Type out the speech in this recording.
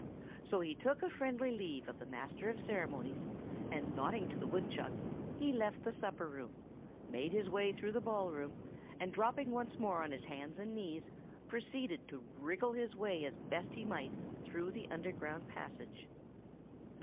So he took a friendly leave of the master of ceremonies, and nodding to the woodchuck, he left the supper room, made his way through the ball room, and dropping once more on his hands and knees, proceeded to wriggle his way as best he might through the underground passage.